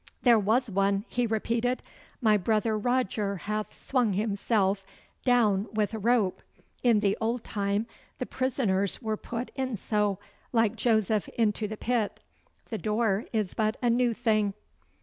'There was one,' he repeated. 'My brother Roger hath swung himself down wi' a rope. In the old time the prisoners were put in so, like Joseph into the pit. The door is but a new thing.